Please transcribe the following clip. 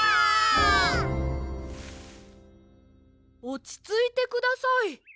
おちついてください。